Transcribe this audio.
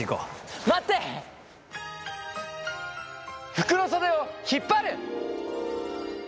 服の袖を引っ張る！